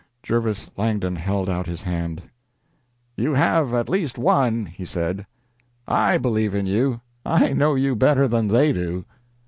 Jervis Langdon held out his hand. "You have at least one," he said. "I believe in you. I know you better then they do."